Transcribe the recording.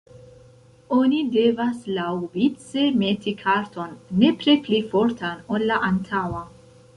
Oni devas laŭvice meti karton, nepre pli fortan, ol la antaŭa.